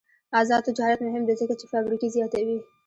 آزاد تجارت مهم دی ځکه چې فابریکې زیاتوي.